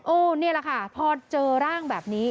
นี่แหละค่ะพอเจอร่างแบบนี้